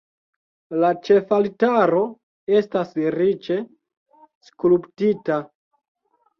La ĉefaltaro estas riĉe skulptita.